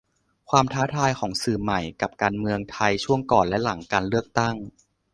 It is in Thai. ความท้าทายของสื่อใหม่กับการเมืองไทยช่วงก่อนและหลังการเลือกตั้ง